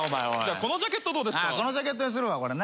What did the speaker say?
このジャケットにするわこれね。